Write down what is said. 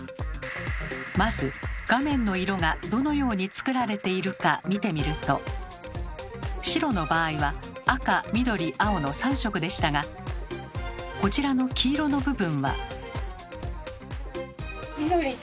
まず画面の色がどのように作られているか見てみると白の場合は赤緑青の３色でしたがこちらの黄色の部分は。